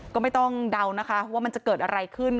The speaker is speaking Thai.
ก็ไม่ต้องเดานะคะว่ามันจะเกิดอะไรขึ้น